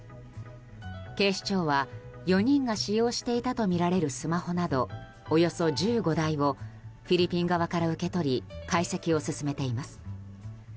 警視庁は４人が使用していたとみられるスマホなどおよそ１５台をフィリピン側から受け取り解析を進めています。